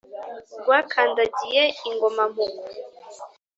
rwakandagiye ingoma-mpugu,